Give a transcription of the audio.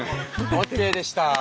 ＯＫでした。